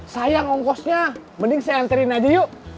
sayang ongkosnya mending saya anterin aja yuk